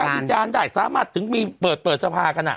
ประปัติภาพอิจารณ์ได้สามารถถึงเปิดสภาพกันอ่ะ